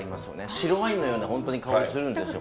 白ワインのような本当に香りがするんですよ。